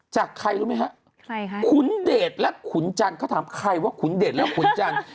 จากใครรู้ไหมฮะใครคะขุนเดชและขุนจันทร์เขาถามใครว่าขุนเดชและขุนจันทร์